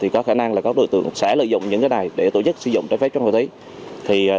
có khả năng là các đối tượng sẽ lợi dụng những này để tổ chức sử dụng trái phép chất ma túy